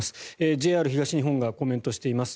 ＪＲ東日本がコメントをしています。